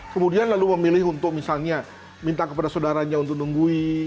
kemudian lalu memilih untuk misalnya minta kepada saudaranya untuk nunggui